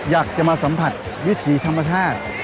อยากจะมาสัมผัสวิถีธรรมชาติ